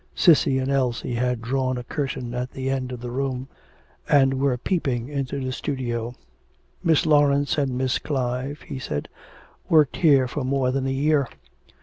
Cissy and Elsie had drawn a curtain at the end of the room and were peeping into the studio. 'Miss Laurence and Miss Clive,' he said, 'worked here for more than a year.